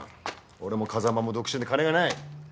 俺も風真も独身で金がない。